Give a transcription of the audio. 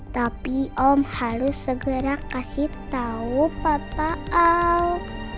tapi om harus segera kasih tahu papa